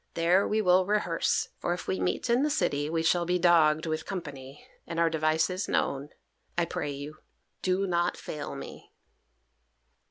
There we will rehearse, for if we meet in the city we shall be dogged with company, and our devices known. I pray you, do not fail me."